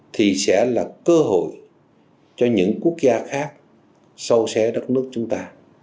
thì sẽ là cơ hội cho những quốc gia khác sâu xé đất nước chúng ta